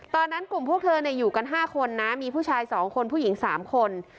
ตอนนั้นกลุ่มพวกเธอเนี่ยอยู่กันห้าคนนะมีผู้ชายสองคนผู้หญิงสามคน